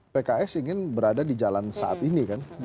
pks ingin berada di jalan saat ini kan